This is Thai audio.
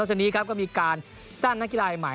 จากนี้ครับก็มีการสร้างนักกีฬาใหม่